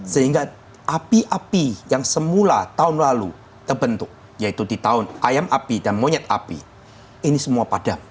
sehingga api api yang semula tahun lalu terbentuk yaitu di tahun ayam api dan monyet api ini semua padam